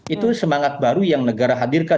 itu semangat baru yang negara hadirkan